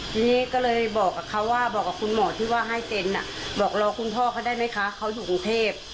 ทีนี้ก็เลยบอกกับเขาว่าบอกกับคุณหมอที่ว่าให้เซ็นบอกรอคุณพ่อเขาได้ไหมคะเขาอยู่กรุงเทพ